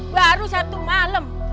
baru satu malam